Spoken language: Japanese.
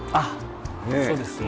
そうですね。